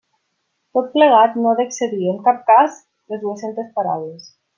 Tot plegat no ha d'excedir, en cap cas, les dues-centes paraules.